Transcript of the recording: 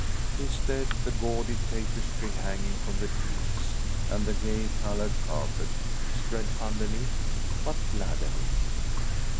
Instead, the gaudy tapestry hanging from the trees, and the gay coloured carpet spread underneath, but gladden it.